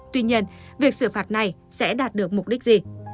tuy nhiên việc xử phạt này sẽ đạt được mục đích gì